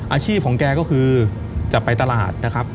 อาชีพของแกก็คือจะไปตลาดนะครับ